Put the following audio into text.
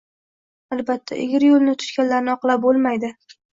Albatta, egri yo'lni tutganlarni oqlab bo'lmaydi